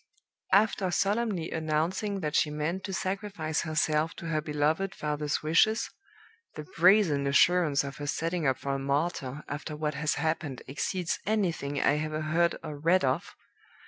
"After solemnly announcing that she meant to sacrifice herself to her beloved father's wishes (the brazen assurance of her setting up for a martyr after what has happened exceeds anything I ever heard or read of!)